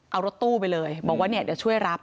เอารถตู้ไปเลยบอกว่าเนี่ยเดี๋ยวช่วยรับ